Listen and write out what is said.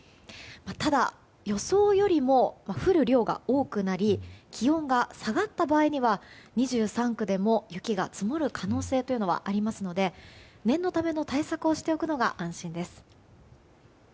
ただ、予想よりも降る量が多くなり気温が下がった場合には２３区でも雪が積もる可能性はありますので念のための対策をしておくのが安心です。